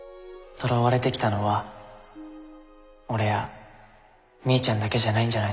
とらわれてきたのは俺やみーちゃんだけじゃないんじゃないの？